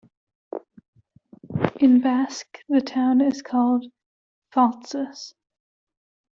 In Basque the town is called "Faltzes".